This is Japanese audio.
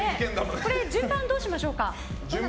順番どうしましょうか？